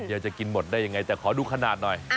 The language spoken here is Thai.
อยากจะกินหมดได้ยังไงแต่ขอดูขนาดหน่อย